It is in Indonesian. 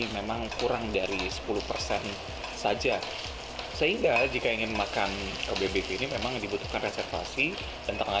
yang pernah sendiri monsieur cherry per mattia adher sistem following